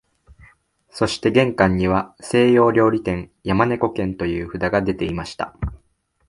そして玄関には西洋料理店、山猫軒という札がでていました